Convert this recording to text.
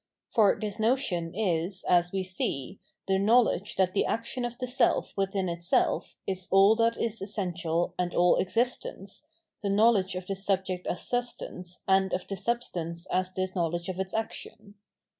Por this notion is, SpS we see, the knowledge that the action of the self within itself is all that is essential and all existence, the knowledge of this Subject as Substance and of the Substance as this knowledge of its action.